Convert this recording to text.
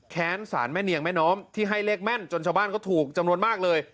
สารแม่เนียงแม่น้อมที่ให้เลขแม่นจนชาวบ้านก็ถูกจำนวนมากเลย